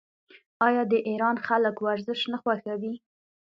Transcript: آیا د ایران خلک ورزش نه خوښوي؟